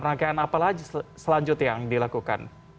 rangkaian apalah selanjutnya yang dilakukan